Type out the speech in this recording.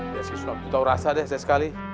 biar si sulam tuh tau rasa deh saya sekali